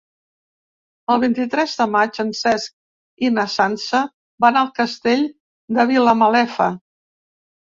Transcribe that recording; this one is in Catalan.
El vint-i-tres de maig en Cesc i na Sança van al Castell de Vilamalefa.